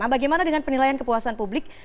bagaimana dengan penilaian kepuasan publik